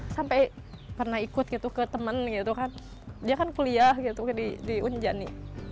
sampai pernah ikut ke teman dia kan kuliah di unjani